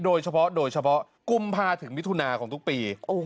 โดยเฉพาะกุมพาถึงวิทุนาของทุกปี